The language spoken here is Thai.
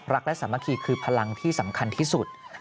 รักและสามัคคีคือพลังที่สำคัญที่สุด